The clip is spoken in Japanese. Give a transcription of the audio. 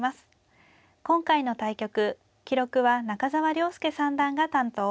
今回の対局記録は中沢良輔三段が担当。